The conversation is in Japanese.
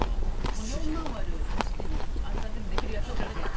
４万割る８っていう暗算でもできるやつを。